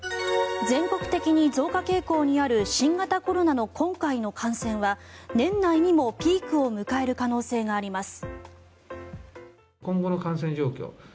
全国的に増加傾向にある新型コロナの今回の感染は年内にもピークを迎える可能性があります。